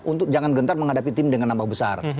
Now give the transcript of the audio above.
untuk jangan gentar menghadapi tim dengan nambah besar